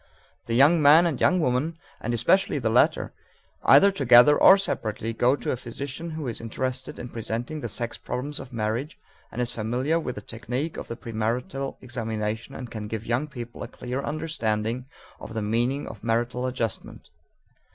The young man and young woman, and especially the latter, either together or separately go to a physician who is interested in presenting the sex problems of marriage and is familiar with the technique of the premarital examination and can give young people a clear understanding of the meaning of marital adjustment.